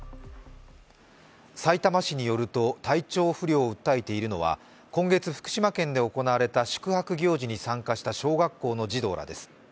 さいたま市によると体調不良を訴えているのは今月福島県で行われた宿泊行事に参加した小学校の児童らです。